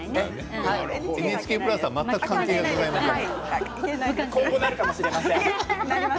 ＮＨＫプラスは全く関係がございません。